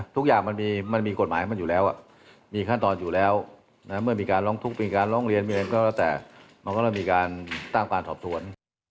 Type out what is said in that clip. ทุกอย่างมันมีกฎหมายมันอยู่แล้วมีขั้นตอนอยู่แล้วเมื่อมีการร้องทุกข์มีการร้องเรียนมีอะไรก็แล้วแต่มันก็ต้องมีการตั้งการสอบสวน